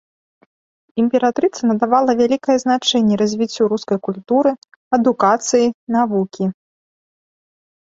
Імператрыца надавала вялікае значэнне развіццю рускай культуры, адукацыі, навукі.